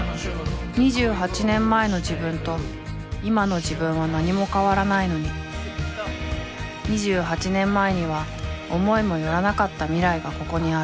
［２８年前の自分と今の自分は何も変わらないのに２８年前には思いも寄らなかった未来がここにある］